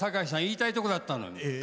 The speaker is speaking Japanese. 言いたいとこだったのよ。